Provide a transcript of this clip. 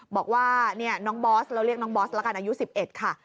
บอกว่าน้องบอสเราเรียกน้องบอสแล้วกันอายุ๑๑ค่ะ